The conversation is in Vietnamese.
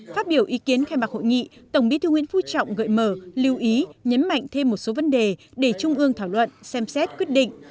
phát biểu ý kiến khai mạc hội nghị tổng bí thư nguyễn phú trọng gợi mở lưu ý nhấn mạnh thêm một số vấn đề để trung ương thảo luận xem xét quyết định